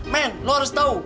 men lo harus tahu